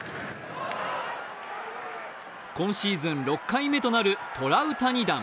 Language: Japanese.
今シーズン６回目となるトラウタニ弾。